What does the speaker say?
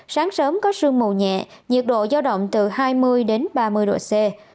sáng sớm có sương mù nhẹ nhiệt độ giao động từ hai mươi đến ba mươi độ c